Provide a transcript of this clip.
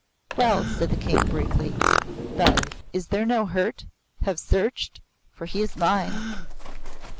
"Well," said the King briefly. "But is there no hurt? Have searched? For he is mine."